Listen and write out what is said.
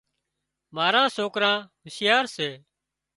مارا سوڪرا هوشيار سي